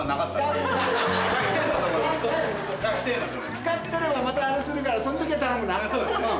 使ってればまたあれするからその時は頼むなうん。